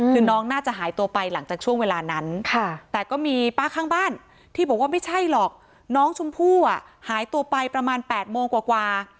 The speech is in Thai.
คือน้องน่าจะหายตัวไปหลังจากช่วงเวลานั้นแต่ก็มีป้าข้างบ้านที่บอกว่าไม่ใช่หรอกน้องชมพู่หายตัวไปประมาณ๘โมงกว่า